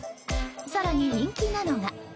更に人気なのが。